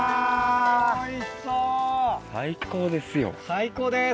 最高です！